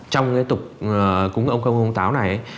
trong cái tục cúng ông công công táo này